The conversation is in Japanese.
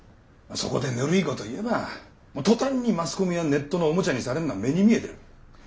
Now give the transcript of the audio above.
そこでぬるいこと言えば途端にマスコミやネットのおもちゃにされるのは目に見えてる。